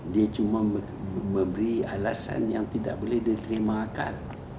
dia cuma memberi alasan yang tidak boleh diterimakan